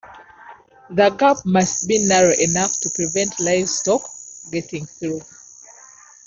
The gap must be narrow enough to prevent livestock getting through.